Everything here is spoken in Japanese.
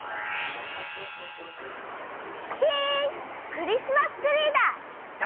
クリスマスツリーだ！